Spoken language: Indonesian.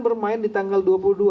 bermain di tanggal dua puluh dua